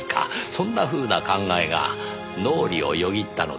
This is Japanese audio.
そんなふうな考えが脳裏をよぎったのです。